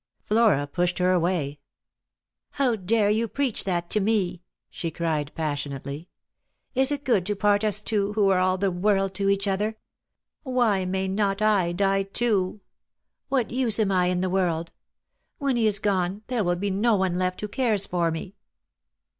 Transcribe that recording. Flora pushed her away. " How dare you preach that to me ?" she cried passionately. " Is it good to part us two, who are all the world to each other ? Why may not I die too ? What use am I in the world ? When he is gone, there will be no one left who cares for me."